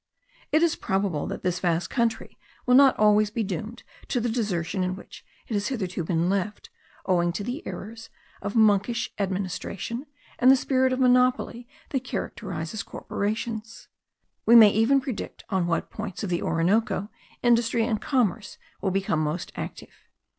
It is probable that this vast country will not always be doomed to the desertion in which it has hitherto been left, owing to the errors of monkish administration and the spirit of monopoly that characterises corporations. We may even predict on what points of the Orinoco industry and commerce will become most active.